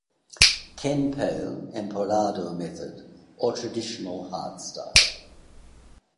Kenpo "Emperado Method" or "Traditional Hard Style".